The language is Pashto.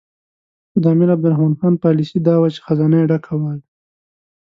خو د امیر عبدالرحمن خان پالیسي دا وه چې خزانه یې ډکه وي.